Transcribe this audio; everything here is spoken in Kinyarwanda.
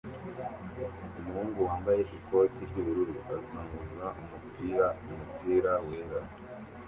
Umuhungu wambaye ikoti ry'ubururu azunguza umupira umupira wera